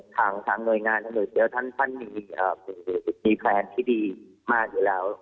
ทั้งหน่วยงานทั้งเดี๋ยวท่านฟันนีมีแพลนที่ดีมากอยู่แล้ว